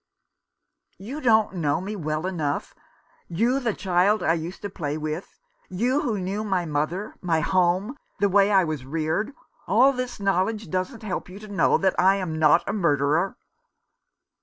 "You don't know me well enough — you, the child I used to play with — you, who knew my mother, my home, the way I was reared — all this knowledge doesn't help you to know that I am not a murderer